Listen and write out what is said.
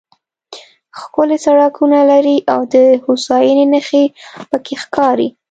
ښکلي سړکونه لري او د هوساینې نښې پکې ښکاري.